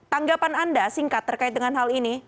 tanggapan anda singkat terkait dengan hal ini